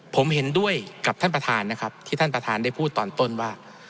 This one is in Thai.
ผมเห็นด้วยกับท่านประธานนะครับที่ท่านประธานได้พูดตอนต้นว่า